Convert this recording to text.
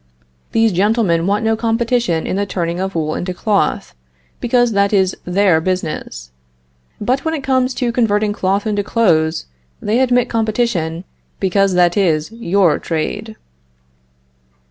These gentlemen want no competition in the turning of wool into cloth, because that is their business; but when it comes to converting cloth into clothes, they admit competition, because that is your trade.